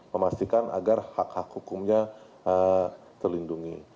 memastikan agar hak hak hukumnya terlindungi